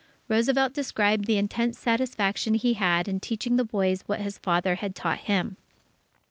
Roosevelt described the intense satisfaction he had in teaching the boys what his father had taught him.